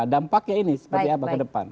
dampaknya ini seperti apa ke depan